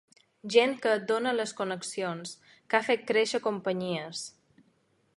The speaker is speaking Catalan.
Gent que et dóna les connexions, que ha fet créixer companyies.